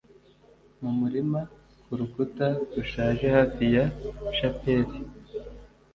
mu murima, kurukuta rushaje, hafi ya shapeli